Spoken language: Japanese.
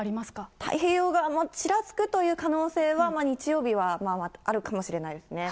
太平洋側もちらつくという可能性も日曜日はあるかもしれませんね。